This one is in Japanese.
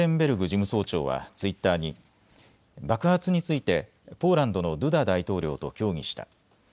事務総長はツイッターに爆発についてポーランドのドゥダ大統領と協議した。